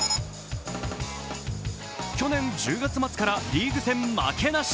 去年１０月末からリーグ戦負けなし。